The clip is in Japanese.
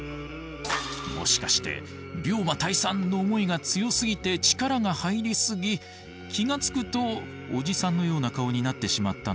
もしかして病魔退散の思いが強すぎて力が入りすぎ気が付くとオジサンのような顔になってしまったのかも。